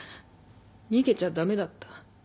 逃げちゃ駄目だった。